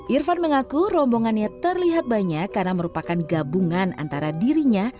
irfan mengaku rombongannya terlihat banyak karena merupakan gabungan antara dirinya